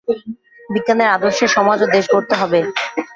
বিজ্ঞানের আদর্শে সমাজ ও দেশ গড়তে হবে।